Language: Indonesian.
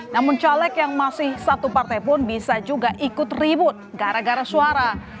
namun caleg yang masih satu partai pun bisa juga ikut ribut gara gara suara